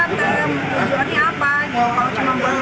terus apa lagi